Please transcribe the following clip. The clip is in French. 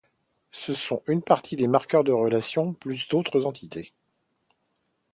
Ce sont une partie des marqueurs de relation, plus d’autres entités.